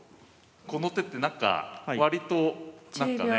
この手ってなんか割となんかね。